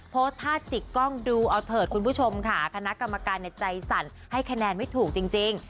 โพสต์ท่าจิกกล้องดูเอาเถิดคุณผู้ชมค่ะคณะกรรมการในใจสั่นให้คะแนนไม่ถูกจริง